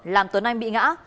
làm tuấn anh bị ngã